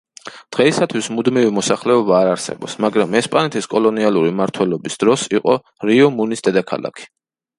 დღეისათვის მუდმივი მოსახლეობა არ არსებობს, მაგრამ ესპანეთის კოლონიალური მმართველობის დროს იყო რიო-მუნის დედაქალაქი.